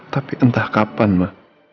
tapi entah kapan ma